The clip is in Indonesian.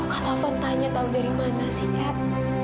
kok kata ufan tanya tahu dari mana sih kak